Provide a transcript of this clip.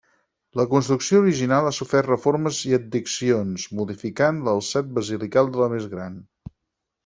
La construcció original ha sofert reformes i addicions, modificant l'alçat basilical de la més gran.